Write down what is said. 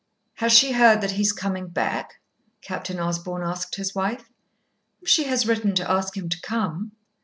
"Has she heard that he is coming back?" Captain Osborn asked his wife. "She has written to ask him to come."